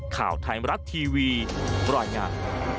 ข่าวไทยมรัฐทีวีบรรยายงาน